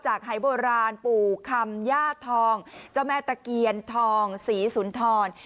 จากไอ้โบราณปู่คำญาติทองแม่ตะเกียรทองสีสุนทร